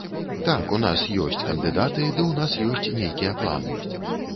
Так, у нас ёсць кандыдаты, ды ў нас ёсць нейкія планы.